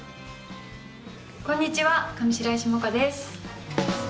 こんにちは上白石萌歌です。